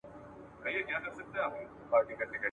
چي د هیڅ هدف لپاره مي لیکلی نه دی !.